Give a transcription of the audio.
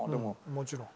もちろん。